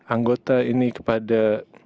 anggota ini kepada